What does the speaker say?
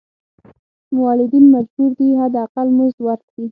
مولدین مجبور دي حد اقل مزد ورکړي.